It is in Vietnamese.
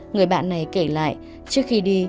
người bạn này kể lại trước khi đi